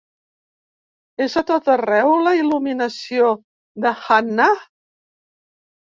És a tot arreu la il·luminació de Hannah?